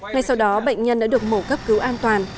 ngay sau đó bệnh nhân đã được mổ cấp cứu an toàn